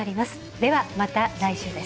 では、また来週です。